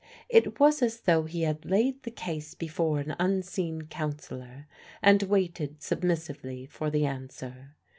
It was as though he had laid the case before an unseen counsellor and waited submissively for the answer.